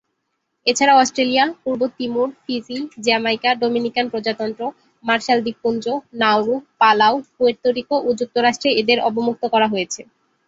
এছাড়া অস্ট্রেলিয়া, পূর্ব Timor, Fiji, Jamaica, Dominican প্রজাতন্ত্র, মার্শাল দ্বীপপুঞ্জ, নাউরু, পালাউ, পুয়ের্তো রিকো ও যুক্তরাষ্ট্রে এদের অবমুক্ত করা হয়েছে।